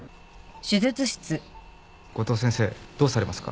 五島先生どうされますか。